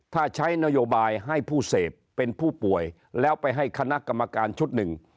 ถ้าใช้นโยบายให้ผู้เสพเป็นผู้ป่วยแล้วไปให้คณะกรรมการชุดหนึ่ง